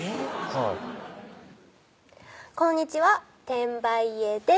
はい「こんにちは転売絵です」